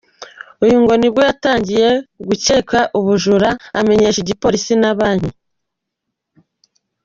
Uyu ngo ni bwo yatangiye gukeka ubujura amenyesha igipolisi na banki.